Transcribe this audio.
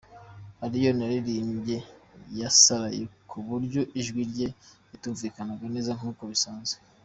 Allioni yaririmbye yasaraye ku buryo ijwi rye ritumvikanaga neza nk’uko bisanzwe.